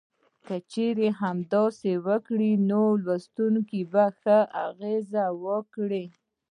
که چېرې همداسې وکړي نو په لوستونکو به ښه اغیز وکړي.